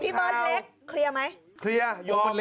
พี่เบิร์ดเล็กเคลียร์ไหมเคลียร์ยอม